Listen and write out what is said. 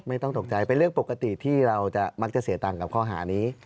ไม่ต้องตกใจเป็นเรื่องปกติที่เราจะมักจะเสียตังค์กับข้อหานี้